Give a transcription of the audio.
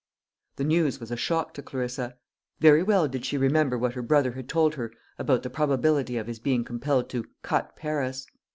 The news was a shock to Clarissa. Very well did she remember what her brother had told her about the probability of his being compelled to "cut Paris."